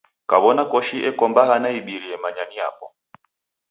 Kaw'ona koshi iko mbaha na ibirie manya ni yapo.